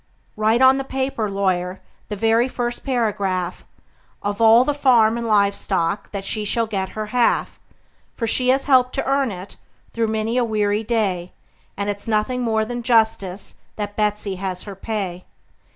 Write on the paper, lawyer the very first paragraph Of all the farm and live stock that she shall have her half; For she has helped to earn it, through many a weary day, And it's nothing more than justice that Betsey has her pay.